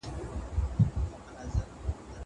زه ميوې خوړلي دي!!